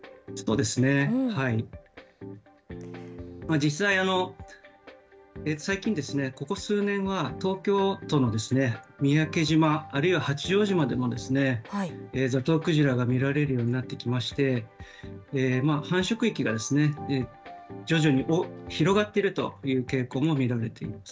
実際、最近、ここ数年は東京都の三宅島あるいは八丈島でも、ザトウクジラが見られるようになってきまして、繁殖域が徐々に広がっているという傾向も見られています。